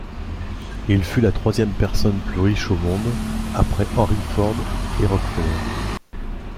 Il fut la troisième personne plus riche au monde, après Henry Ford et Rockefeller.